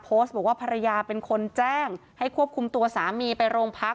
โพสต์บอกว่าภรรยาเป็นคนแจ้งให้ควบคุมตัวสามีไปโรงพัก